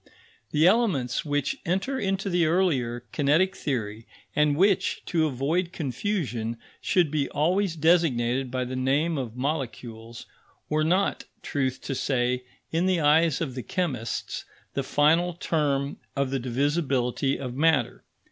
The elements which enter into the earlier kinetic theory, and which, to avoid confusion, should be always designated by the name of molecules, were not, truth to say, in the eyes of the chemists, the final term of the divisibility of matter.